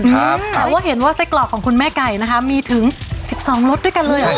แต่ว่าเห็นว่าไส้กรอกของคุณแม่ไก่นะคะมีถึงสิบสองรสด้วยกันเลยเหรอ